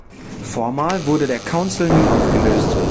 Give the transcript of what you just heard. Formal wurde der Council nie aufgelöst.